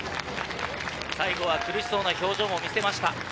苦しそうな表情も見せました。